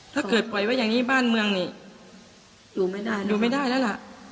ถ้าเกิดไปว่าอย่างนี้บ้านเมืองอยู่ไม่ได้แล้วล่ะ